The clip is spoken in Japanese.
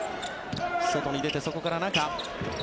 外に出て、そこから中。